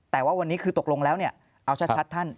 แต่ว่าวันนี้ถึงตกโรงแล้วเอาชัดท่าน